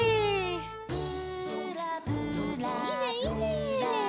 いいねいいね！